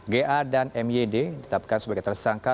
ga dan myd ditetapkan sebagai tersangka